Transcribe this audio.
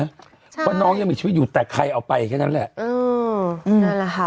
เพราะน้องยังมีชีวิตอยู่แต่ใครเอาไปแค่นั้นแหละเออนั่นแหละค่ะ